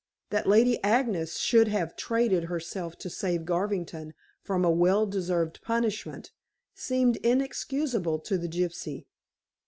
That Lady Agnes should have traded herself to save Garvington from a well deserved punishment, seemed inexcusable to the gypsy.